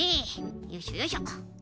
よいしょよいしょ。